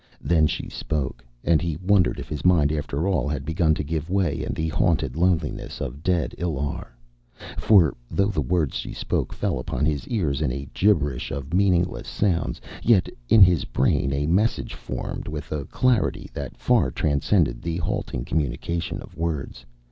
Then she spoke, and he wondered if his mind, after all, had begun to give way in the haunted loneliness of dead Illar; for though the words she spoke fell upon his ears in a gibberish of meaningless sounds, yet in his brain a message formed with a clarity that far transcended the halting communication of words.